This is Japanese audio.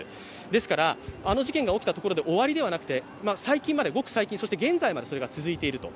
ですから、あの事件が起きたところで終わりではなくてごく最近、そして現在までそれが続いていると。